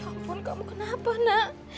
ya ampun kamu kenapa nak